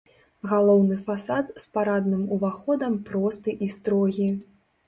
Галоўны фасад з парадным уваходам просты і строгі.